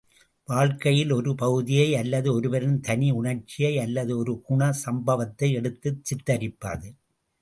வாழ்க்கையின் ஒரு பகுதியை அல்லது ஒருவரின் தனி உணர்ச்சியை அல்லது ஒரு குண சம்பவத்தை எடுத்துச் சித்திரிப்பது.